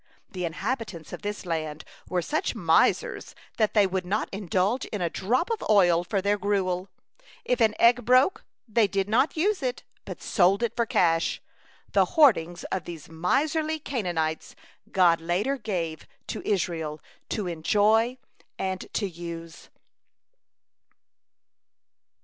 The inhabitants of this land were such misers that they would not indulge in a drop of oil for their gruel; if an egg broke, they did not use it, but sold it for cash. The hoardings of these miserly Canaanites God later gave to Israel to enjoy and to use.